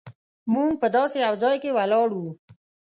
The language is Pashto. موږ په داسې یو ځای کې ولاړ وو.